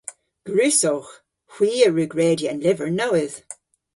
Gwrussowgh. Hwi a wrug redya an lyver nowydh.